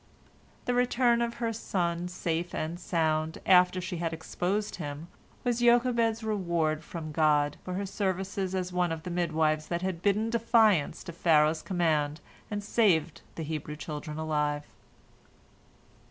The return of her son, safe and sound, after she had exposed him, was Jochebed's reward from God for her services as one of the midwives that had bidden defiance to Pharaoh's command and saved the Hebrew children alive.